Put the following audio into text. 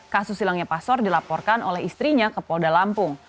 kasus hilangnya pasor dilaporkan oleh istrinya kepolda lampung